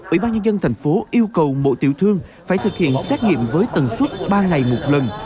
ủy ban nhân dân thành phố yêu cầu mộ tiểu thương phải thực hiện xét nghiệm với tầng suốt ba ngày một lần